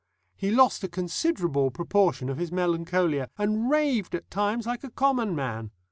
He lost a considerable proportion of his melancholia, and raved at times like a common man.